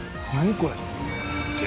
これ。